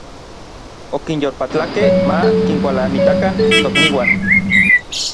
Okinyolpatlakej ma kinkualanitakan tokniuan.